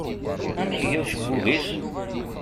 Amek iga ucebbub-is?